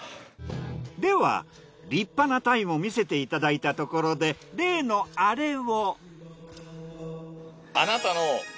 では立派なタイも見せていただいたところで例のアレを。